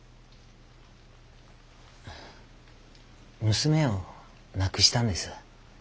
娘を亡くしたんです。